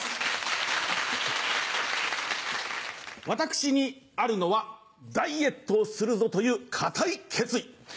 私にあるのは「ダイエットをするぞ」という固い決意。